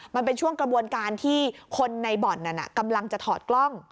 มันเป็นช่วงกระบวนการที่คนในบ่อนนั้นกำลังจะถอดกล้อง